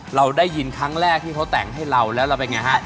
เราได้ยินครั้งแรกที่เขาแต่งให้เราแล้วเราเป็นไงฮะ